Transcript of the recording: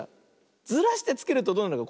ずらしてつけるとどうなるか。